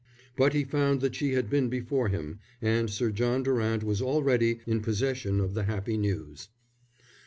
But he found that she had been before him, and Sir John Durant was already in possession of the happy news.